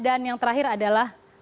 dan yang terakhir adalah